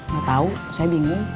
gak tahu saya bingung